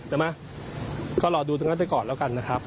ใช่ไหมก็รอดูตรงนั้นไปก่อนแล้วกันนะครับ